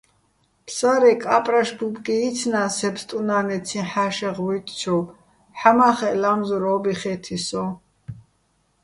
ფსარე კა́პრაშ ბუბკი იცნა́ს სე ბსტუნა́ნეცი ჰ̦ა́შეღ ვუ́ჲტჩოვ, ჰ̦ამა́ხეჸ ლა́მზურ ო́ბი ხე́თი სოჼ.